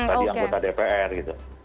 tadi yang kota dpr gitu